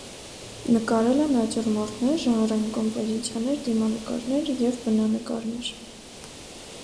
Նկարել է նատյուրմորտներ, ժանրային կոմպոզիցիաներ, դիմանկարներ և բնանկարներ։